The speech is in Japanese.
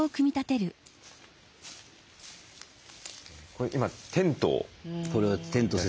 これ今テントを？